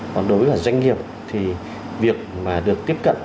còn đối với doanh nghiệp thì việc mà được tiếp cận